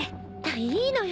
いいのよ。